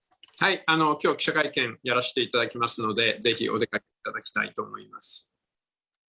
きょう、記者会見やらせていただきますので、ぜひお出かけいただきたいと思います。